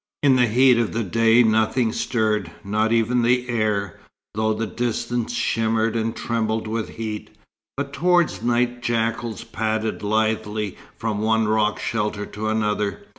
In the heat of the day nothing stirred, not even the air, though the distance shimmered and trembled with heat; but towards night jackals padded lithely from one rock shelter to another.